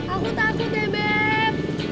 aku takut ya beb